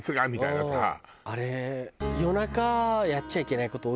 あれ。